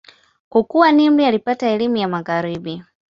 Kukua, Nimr alipata elimu ya Magharibi.